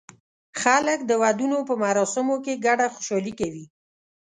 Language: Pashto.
خلک د ودونو په مراسمو کې ګډه خوشالي کوي.